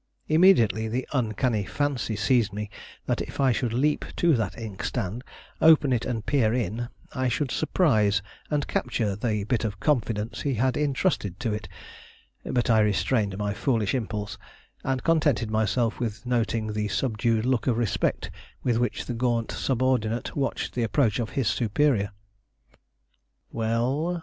Immediately the uncanny fancy seized me that if I should leap to that inkstand, open it and peer in, I should surprise and capture the bit of confidence he had intrusted to it. But I restrained my foolish impulse, and contented myself with noting the subdued look of respect with which the gaunt subordinate watched the approach of his superior. "Well?"